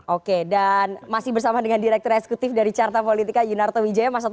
oke dan masih bersama dengan direktur eksekutif dari carta politika yunarto wijaya mas toto